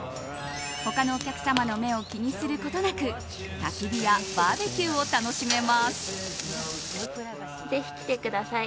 他のお客様の目を気にすることなくたき火やバーベキューを楽しめます。